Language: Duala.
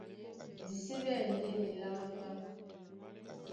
Di sí ɓɛ̂n ndé miláŋgá,